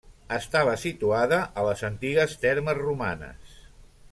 Estava situada a les antigues Termes Romanes.